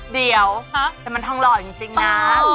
เดี๋ยวแต่มันทองหล่อจริงนะ